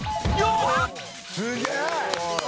すげえ！